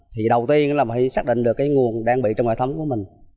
thì đầu tiên là mình phải xác định được cái nguồn đang bị trong hệ thống của mình